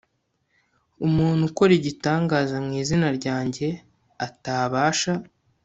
umuntu ukora igitangaza mu izina ryanjye atabasha